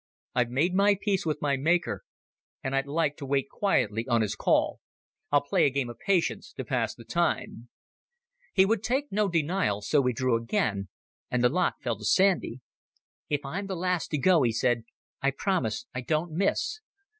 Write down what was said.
I've made my peace with my Maker, and I'd like to wait quietly on His call. I'll play a game of Patience to pass the time." He would take no denial, so we drew again, and the lot fell to Sandy. "If I'm the last to go," he said, "I promise I don't miss.